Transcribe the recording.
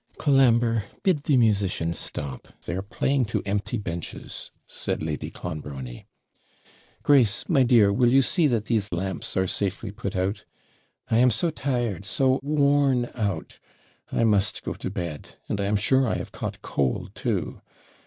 'Colambre, bid the musicians stop; they are playing to empty benches,' said Lady Clonbrony. 'Grace, my dear, will you see that these lamps are safely put out? I am so tired, so WORN OUT, I must go to bed; and I am sure I have caught cold too!